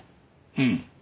うん。